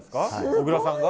小椋さんが？